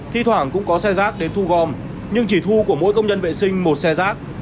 thi thoảng cũng có xe rác đến thu gom nhưng chỉ thu của mỗi công nhân vệ sinh một xe rác